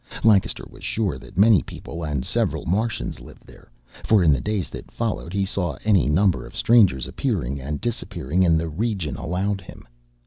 Lancaster was sure that many people and several Martians lived there, for in the days that followed he saw any number of strangers appearing and disappearing in the region allowed him.